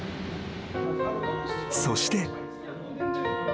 ［そして］